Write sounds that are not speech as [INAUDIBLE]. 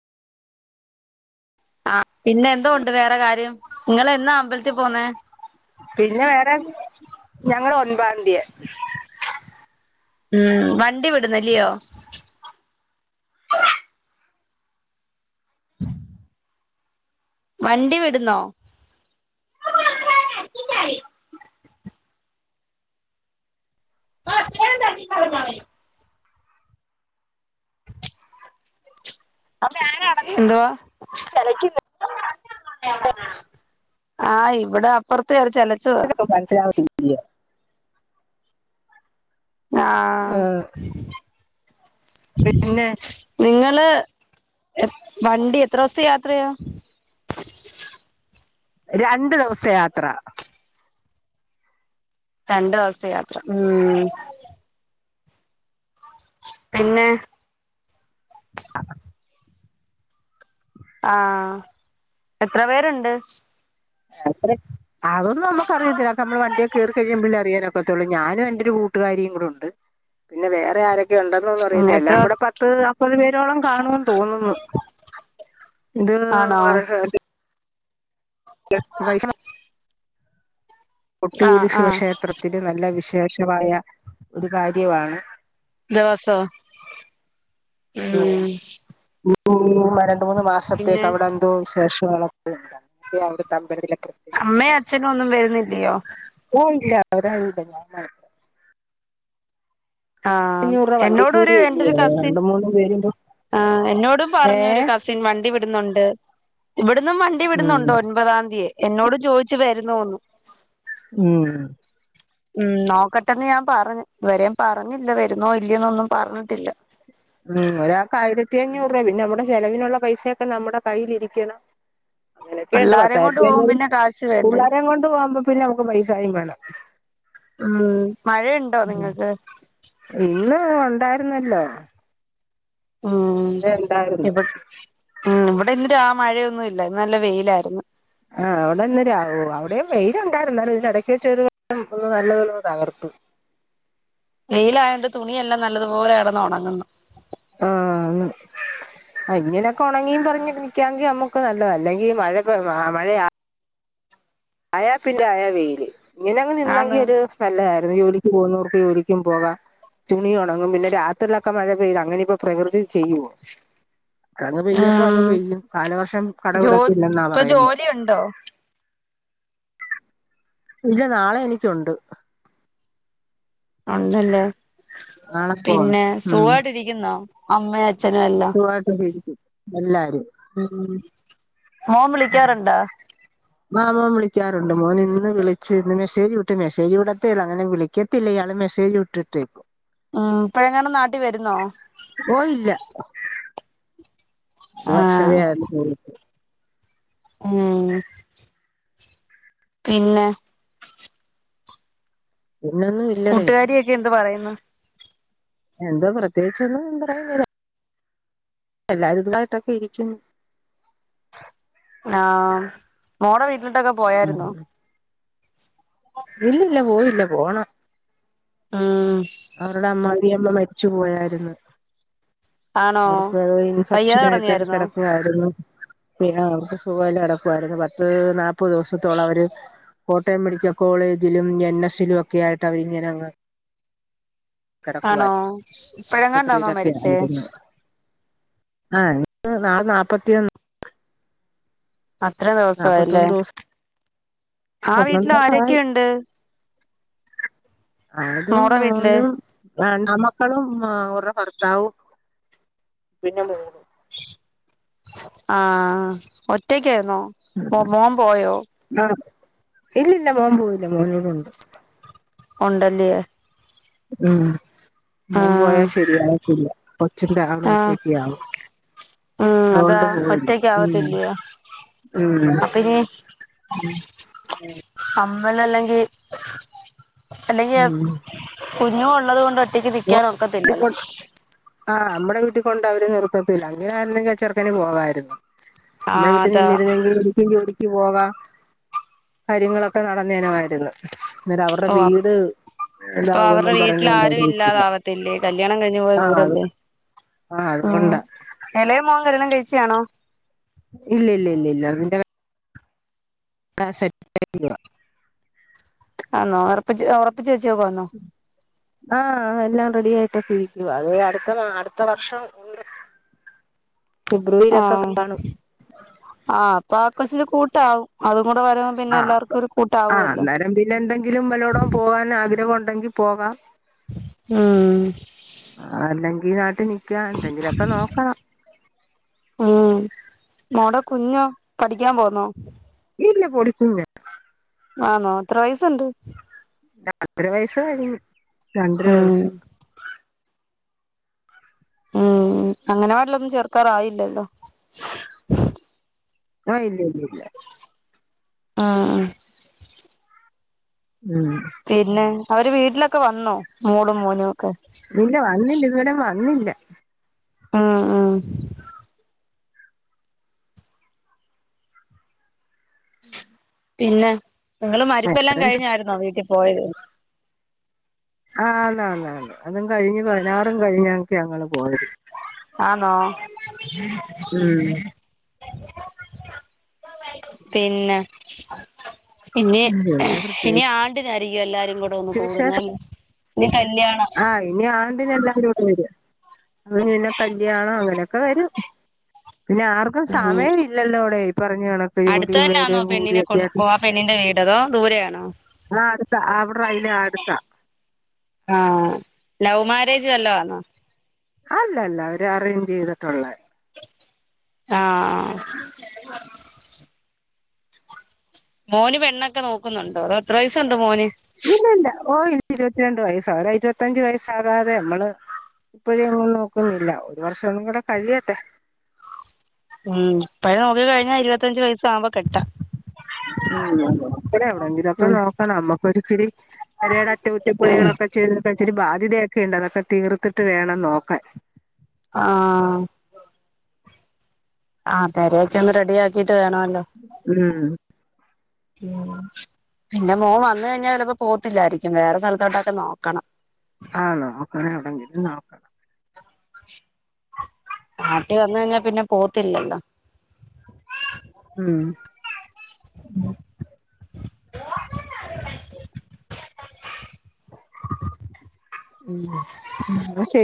ആഹ് പിന്നെ എന്തോ ഉണ്ട് വേറെ കാര്യം നിങ്ങളെന്നാ അമ്പലത്തിൽ പോന്നേ മുപ്പത്താംതിയെ ഉം വണ്ടി വിടുന്നല്ലിയോ [INAUDIBLE] വണ്ടി വിടുന്നോ [UNINTELLIGIBLE] [UNINTELLIGIBLE] അപ്പ ഞാന എന്തുവാ [UNINTELLIGIBLE] ആഹ് ഇവിടെ അപ്പുറത്തെ [UNINTELLIGIBLE] [UNINTELLIGIBLE] ആഹ് നിങ്ങ പിന്നെ നിങ്ങള് വണ്ടി എത്ര ദിവസതെ യാത്ര രണ്ടു ദിവസതെ യാത്ര രണ്ട് ദോസതെ യാത്ര ഉം പിന്നെ ആ എത്ര പേരൊണ്ട് അത്രേ അതൊന്നും നമുക്കറിയത്തില്ല നമ്മള് വണ്ടിയെ കെറി കഴിമ്പളേ അറിയാനൊക്കെത്തുള്ളൂ ഞാനും എന്റെരു കൂട്ടുകാരിയും കൂടെ ഉണ്ട് പിന്നെ വേറെ ആരൊ ക്കെ ഒണ്ടന്ന്ഒന്നും ഉം അറിയതില്ല എത്ര എല്ലാം കൂടെ പത്ത്നാപ്പത് പേരോളം കാണുമന്ന് തോന്നുന്നു ഇത് ആണോ വ [UNINTELLIGIBLE] [UNINTELLIGIBLE] കൊട്ടിയരി ആഹ് ആഹ് ശിവക്ഷേത്രത്തില് നല്ല വി ശേഷമായ ഒരു കാര്യവാണ് [UNINTELLIGIBLE] ഉം ഉ [UNINTELLIGIBLE] മൂന്ന് പിന്നെ മാസത്തെേക്കവിടെന്തോ വി ശേഷങ്ങളൊക്കെ [UNINTELLIGIBLE] അമ്മേഅച്ഛനും ഒന്നും വരുന്നില്ലിയോ അവരരൂല്ല ഞാൻ മാത്രം ആ അഞ്ഞൂറ് രൂപ എന്നോടൊരു വണ്ടിക്കൂലി എന്റെ അല്ലയോ ഒരു കസിൻ രണ്ട് മൂന്ന് പേരുമ്പോ ആ എന്നോടും ഏ പറഞ്ഞു ഒരു കസിൻ വണ്ടി വി ന്നൊണ്ട് ഇവിടുന്നും വണ്ടി ഉം വിടുന്നുണ്ട് ഒൻപതാതിയെ എന്നോട് ചോയിച്ചു വരുന്നോ ന്നു ഉം ഉം നോക്കട്ടെന്ന് ഞാൻ പറഞ്ഞു ഇതുവരെയ പറഞ്ഞില്ല വരുന്നോ ഇല്ലെന്നൊന്നും പറഞ്ഞിട്ടില്ല ഉം ഒരാൾക്ക് ആയിരത്തി അഞ്ഞൂറ് രൂപ പിന്നെ നമ്മടെ ചെലവിനുള്ള പൈസയൊക്കെ നമ്മുടെ കയ്ൽരിക്കണം അങ്ങനെയൊക്കെ ഇണ്ട് പിള്ളാരേം കൊണ്ട് പോകും പത്തായിരത്തിഞ്ഞൂർ പിന്നെ കാശ് വേണ്ടേ പിള്ളോരം കൊണ്ട് പോകുമ്പോ പിന്നെ നമുക്ക് പൈസായും വേണം ഉം മഴുണ്ടോ നിങ്ങൾക്ക് ഇന്ന് ഉണ്ടായിരുന്നല്ലോ ഉം അവിടെ ഇ ഉണ്ടായിരുന്നു വ് ഉം ഇവ് [UNINTELLIGIBLE] ആ മഴയൊന്നും ഇല്ല ഇന്ന് നല്ല വെയിലായിരുന്നു ആഹ് അവിടെന്ന രാവൊ അവിടെം വെയില് ഇട്ടാര്ന്നു. [UNINTELLIGIBLE] ഒരെടക്ക് വച്ചൊരു [UNINTELLIGIBLE] നല്ലതോല തകർത്തു. വെയിലായോണ്ട് തുണിയെല്ലാം നല്ലതുപോലെ കെടന്നുണങ്ങുന്ന്. ആഹ് അങ്ങനെ. ആഹ് ഇങ്ങനൊക്കെ ഉണങ്ങിയും പറഞ്ഞി നിക്കാങ്കി നമ്മുക്ക് നല്ലതാ അല്ലെങ്കി മഴ പ്പം ആ മഴയാ ആയാ പിന്നെ അയാ വെയില്. ഇങ്ങനെങ്ങ് നിന്നെങ്കിൽ ആന്ന് ഒരു നല്ലതായി [UNINTELLIGIBLE] ജോലിക്ക് പോകുന്നവർക്ക് ജോലിക്കും പോകാം തുണി ഉണങ്ങും പിന്നെ രാത്രിയിലൊക്കെ മഴ പെയ്ത് അങ്ങനെ ഇപ്പോ പ്രകൃതി ചെയ്യുവോ അങ്ങ് പെയ്യും അങ്ങ് ഉം പെയ്യും കാലവർഷം കട ജോ കടവിടത്തില്ലെന്നാ ഇപ്പൊ പറയുന്നേ. ജോലിയുണ്ടോ ഇല്ല നാളെ എനിക്കുണ്ട് ഉണ്ടല്ലേ നാളെ പോണം പിന്നെ സുഖായിട്ടിരിക്കുന്നോ? അമ്മേ അ സുഖായിട്ട് ഇരിക്കു എല്ലാരും ഉം മോൻ വിളിക്കാറുണ്ടോ ആഹ് മോൻ വിളിക്കാറുണ്ട് മോന് ഇന്ന് വിളിച്ചു ഇന്ന് മെസേജ് വിട്ട് മെസേജ് വിടത്തെ യൊള്ളു അങ്ങനെ വിളിക്കത്തൊള്ളൂ ഇയാള് മെസ്സേജ് വിട്ടിട്ട് ഉം ഇപ്പ എങ്ങനും നാട്ടിൽ വരുന്നോ ര് വർഷവേ ആയുള്ളൂ പോയിട്ട് ആഹ് പിന്നെ പിന്നൊന്നും കൂട്ടുകാരിയൊക്കെ എന്ത് പറയുന്നു എന്താ പ്രത്യേകിച്ചേന്നും പറയാനില്ല എല്ലാരും ഇതുയിട്ടൊക്കെ ഇരിക്കുന്നു ആഹ് മോളെ വീ ട്ടുക്കെ പോയായിരുന്നേ ഇല്ല ഇല്ല പോയില്ല പോണം. മ് അവരുടെ അമ്മായിയമ്മ മരിച്ചു പോയായിരുന്നു. ആണോ അവർക്ക് വയ്യാതെ ഇൻഫെക്ഷൻ ആയിട്ട് കിടന്നായിരുന്നോ കിടക്കുവായിരുന്നു പിന്നെ അവർക്ക് സുഖല്ല കടക്കുമായിരുന്നു പത്ത് നാല്പ്ത് ദിവസത്തോളം അവര് കോട്ടയം മെഡിക്കൽ കോളേജിലും എൻ എസിലും ഒക്കെ ആയിട്ട് അവരിങ്ങനെങ്ങ് ആണോ ഇപ്പഴങ്ങാണ്ടാണോ ആശുപത്രിയിലൊക്കെ മരിച്ചേ? ആയിരുന്നു ആ ഇഞ്ഞ് ഇപ്പ നളെ നാപ്പത്തിയൊന്ന് അത്ര ദിവസ ആയല്ലേ നാൽപ്പത്തൊന്ന് ദിവസം ആ വീട്ടില് ഒന്നാം ആയി ആരൊക്കെയുണ്ട്? അതും മോടെ വീട്ടില് മോനും ആ ണ്ടാ ആമക്കളും ഓരുടെ ഭർത്താവും. പിന്നെ [UNINTELLIGIBLE] ആ ഒറ്റയ്ക്കെര്ന്നോ മോൻ പോയോ? ഇല്ല ഇല്ല മോൻ പോയില്ല മോന് ഇവിടെ ഉണ്ട്. ഉണ്ടല്ലയേ ഉം മോൻ പോയാ ശരിയാവത്തില്ല [UNINTELLIGIBLE] അവിടെ ആഹ് ഒറ്റയ്ക്കാവും. ഉം അതാ അതുകൊണ്ട് പോയില്ല ഒറ്റക്ക് ആവത്തില്ലയോ മ് അപ്പൊ ഇനി മ് വെള്ളല്ലെങ്കിൽ അല്ലെങ്കി ഉം ഉം കുഞ്ഞു കൊ ഉള്ളത് കൊണ്ടു [UNINTELLIGIBLE] നിക്കാൻ ഒക്കത്തില്ലല്ലോ. ആഹ് നമ്മുടെ വീട്ടിൽ കൊണ്ട് അവര് നിർത്തത്തില്ല അങ്ങനെ ആരുന്നെങ്കിൽ ആ ചെറുക്കന് പോകായിരുന്നു. നമ്മുടെ ആഹ് വീട്ടിൽ അതാ നിന്നിരുന്നെങ്കിൽ എനിക്കും ജോലി ക്ക് പോകാ കാര്യങ്ങളൊക്കെ നടന്നേനമായിരുന്ന്. അന്നേരം അവർടെ ഓ വീട് അപ്പൊ ഇതാവുമെന്നും പറഞ്ഞോണ്ട് അവര് വിട്ടില്ല. കല്ല്യാണം കഴിഞ്ഞ് പോയ ആഹ് അത് വീടല്ലേ ആഹ് എളയ മോൻ കല്യാണം കഴ് ച്ചെ ആണോ. ഇല്ലില്ലില്ലില്ലാ നിന്റെ ക ക്ക [UNINTELLIGIBLE] ആന്നോ ഒറപ്പിച്ച് ഒറപ്പിച്ച് വെ ച്ചേക്കുവാന്നോ? ആഹ് എല്ലാം റെഡി ആയിട്ടൊക്കെ ഇരിക്കുവാ അത് അടുത്ത മാ അടുത്ത വർഷം ഉണ്ട്. ഫെബ്രുവരിയിലൊക്കെ ആഹ് കാണും ആ അപ്പൊ ആ കൊച്ചിന് കൂട്ടാവും. അത് ആഹ് ആഹ് അന്നേരം പിന്നെന്തെങ്കിലും വല്ലോടു പോകാൻ ആഗ്രഹ ണ്ടെങ്കി പോകാം ഉം ഈ നാട്ടി നി ക്കാൻ എന്തെങ്കിലും ഒക്കെ നോക്കണം. മോൾടെ കുഞ്ഞോ പഠിക്കാൻ പോന്നോ ഇല്ല പൊടികുഞ്ഞാ. ആന്നോ എത്ര വയസുണ്ട് രണ്ടര വയസ് കഴിഞ്ഞ്. രണ്ടര ഉം വയസ്സ് ഉം അങ്കണവാടിയിൽ ഒന്നും ചേർക്കാറായില്ലല്ലോ ആഹ് ഇല്ല ല്ല ല്ല ആഹ് ഉം പിന്നെ അവര് വീട്ടിലൊക്കെ വന്നോ മോളും മോനും ഒക്കെ ഇല്ല വന്നില്ല ഇതുവരേ വന്നില്ല ആ ആ [INAUDIBLE] പിന്നെ നിങ്ങൾ മരിപ്പെല്ലാം വേറെ കഴിഞ്ഞായിരുന്നോ വീട്ടിൽ പോയത് ആഹ് ആണ് ആണ് അതും കഴിഞ്ഞ് പതിനാറും കഴിഞ്ഞ ഞങ്ങൾ പോയത് ആനോ ഉം പിന്നെ [INAUDIBLE] പിന്നെ പിന്നെ ഇനി പ്രത്യേകിച്ച് ആണ്ട് ആയിരിക്കും എല്ലാവും കൂടെ ഒന്നും വിശേഷം കൂടുന്നല്ലേ ഇനി കല്യാണം ആഹ് ഇനി ആണ്ട് എല്ലാം കൂടെ വരക അന്നെ കല്യാണം അങ്ങനെയൊക്കെ വരും പിന്നെ ആർക്കും സമയം ഇല്ലല്ലോടെ പറഞ്ഞ കണക്ക് അടുത്ത ജോലിയും തന്നൊന്നോ വേലയും പെണ്ണിനെ കൂലിയും ഒക്കെ കൊണ്ട ആയിട്ട് ആ പണ്ണിന്റെ വീടതോ ദൂരയാണോ ആ അടുത്ത അവിടെ അതിലെ അടുത്താ ആഹ ലവ് മാരേജ് വല്ലോ ആന്നോ അല്ല അല്ല അവര് അറേഞ്ച് ചെയ്തിട്ടുള്ളേ ആ മോന് പെണ്ണൊക്കെ നോക്കുന്നുണ്ടോ അതോ എത്ര വയസ്സുണ്ട് മോന് ഇല്ല ഇല്ല ഓ ഇനി ഇരുപത്തിരണ്ട് വയസ്സ അല്ലെ ഇരുപത്തിഞ്ചു വയസ്സാകാതെ നമ്മള് ഇപ്പഴൊന്നും നോക്കുന്നില്ല ഒരു വർഷംന കൂടെ കഴിയട്ടെ ഉം പഴ നോക്കി കഴിഞ്ഞ ഇരുപത്തഞ്ചച് വയ- ഉം എവിണെങ്കിലുംക്കെ ഉം നോക്കണം. നമ്മക്കൊരിച്ചിരി പെരയുടെ അറ്റകുറ്റപ്പുണികളൊക്കെ ചെയ്ത് ഇച്ചിരി ബാധ്യതയൊക്കെ ഇണ്ട് അതൊക്കെ തീർത്തിട്ട് വേണം നോക്കാൻ. ആ ആ പെരേക്കെ ഒന്ന് റെഡി ആക്കിട്ട് വേണമല്ലോ ഉം. പിന്നെ മോൻ വന്ന് കഴിഞ്ഞാ ചെ ലപ്പോ പോവത്തില്ലായിരിക്കും വേറെ സ്ഥൽത്തോട്ടൊക്കെ നോക്കണം. ആ നോക്കണ എവിടെങ്കില നോക്കണം. നാട്ടി വന്ന് കഴിഞ്ഞാ പിന്നെ പോവ ത്തില്ലല്ലോ. ഉം. ഉം. ന്ന ശെ